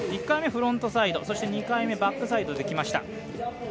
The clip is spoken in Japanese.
１回目、フロントサイド２回目、バックサイドできました。